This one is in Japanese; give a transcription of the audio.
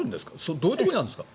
どういうところにあるんですか？